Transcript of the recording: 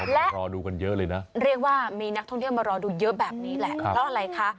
และเรียกว่ามีนักท่องเที่ยวมารอดูเยอะแบบนี้แหละเพราะอะไรคะ